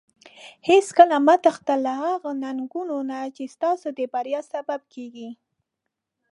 هیڅکله مه تښتي له هغو ننګونو نه چې ستاسو د بریا سبب کیږي.